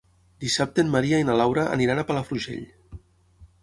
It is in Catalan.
Dissabte en Maria i na Laura aniran a Palafrugell.